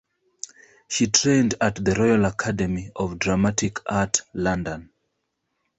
She trained at the Royal Academy of Dramatic Art, London.